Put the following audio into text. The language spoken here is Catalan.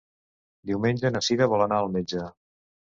Diumenge na Cira vol anar al metge.